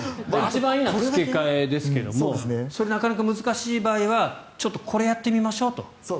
一番いいのは付け替えですがそれが難しい場合はちょっとこれをやってみましょうと。